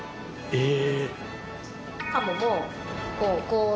へえ。